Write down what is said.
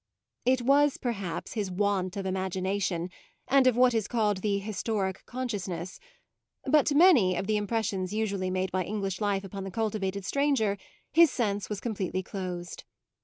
It was perhaps his want of imagination and of what is called the historic consciousness; but to many of the impressions usually made by English life upon the cultivated stranger his sense was completely closed.